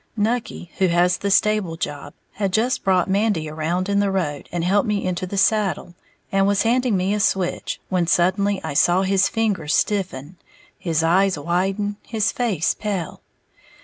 Nucky, who has the stable job, had just brought Mandy around in the road and helped me into the saddle, and was handing me a switch, when suddenly I saw his fingers stiffen, his eyes widen, his face pale.